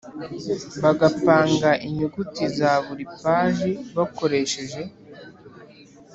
bagapanga inyuguti za buri paji bakoresheje